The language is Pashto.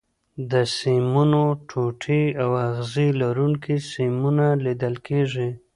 د سیمونو ټوټې او اغزي لرونکي سیمونه لیدل کېږي.